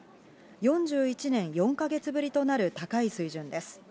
４１年４か月ぶりとなる高い水準です。